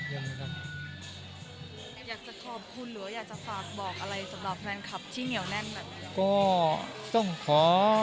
อยากจะฝากบอกอะไรเกี่ยวแน่นกัน